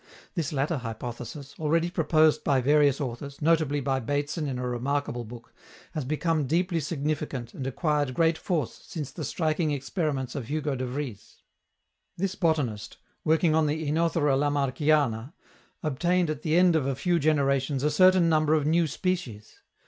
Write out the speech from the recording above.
This latter hypothesis, already proposed by various authors, notably by Bateson in a remarkable book, has become deeply significant and acquired great force since the striking experiments of Hugo de Vries. This botanist, working on the OEnothera Lamarckiana, obtained at the end of a few generations a certain number of new species.